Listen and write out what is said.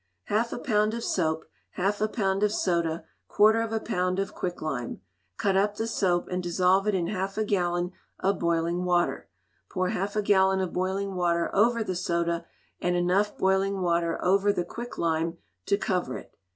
Half a pound of soap; half a pound of soda; quarter of a pound of quick lime. Cut up the soap and dissolve it in half a gallon of boiling water; pour half a gallon of boiling water over the soda, and enough boiling water over the quick lime to cover it.